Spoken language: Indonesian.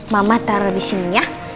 mama taro disini ya